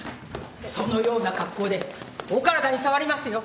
そのような格好でお体に障りますよ。